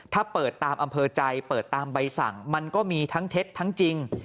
ถ้าเปิดตามอำเภอใจเปิดตามใบสั่งมันก็มีทั้งเท็จทั้งจริง